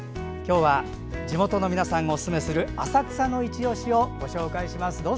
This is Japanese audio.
今日は、地元の皆さんがおすすめする浅草の「いちオシ」をご紹介します。